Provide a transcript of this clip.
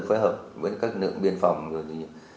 phối hợp với các nữ biên phòng